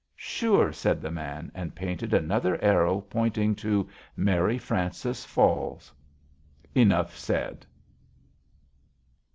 "Sure!" said the man; and painted another arrow pointing to "Mary Frances Falls." Enough said!